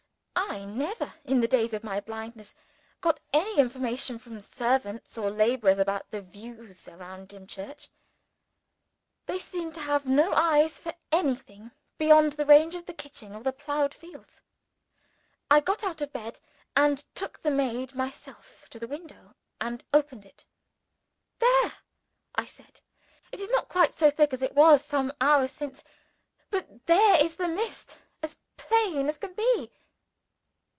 I never (in the days of my blindness) got any information from servants or laborers about the views round Dimchurch. They seemed to have no eyes for anything beyond the range of the kitchen, or the ploughed field. I got out of bed, and took the maid myself to the window, and opened it. "There!" I said. "It is not quite so thick as it was some hours since. But there is the mist as plain as can be!"